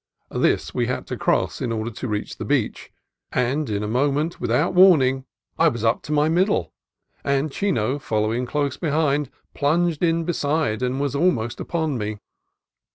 This we had to cross in order to reach the beach, and in a moment, without warning, I was up AN ADVENTURE WITH QUICKSAND 107 to my middle, and Chino, following close behind, plunged in beside and almost upon me.